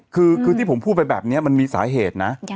คือที่ผมพูดไปแบบนี้มันมีสาเหตุนะ